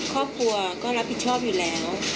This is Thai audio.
ครอบครัวก็รับผิดชอบอยู่แล้ว